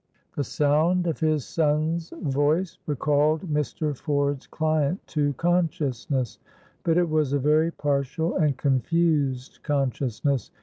The sound of his son's voice recalled Mr. Ford's client to consciousness; but it was a very partial and confused consciousness.